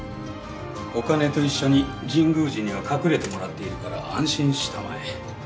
お金と一緒に神宮寺には隠れてもらっているから安心したまえ。